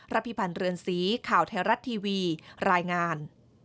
พิพันธ์เรือนสีข่าวไทยรัฐทีวีรายงาน